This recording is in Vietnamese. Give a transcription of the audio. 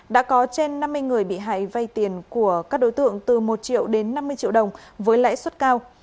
đã có trên năm mươi người bị hại vay tiền của các đối tượng từ một triệu đến năm mươi triệu đồng với lãi suất cao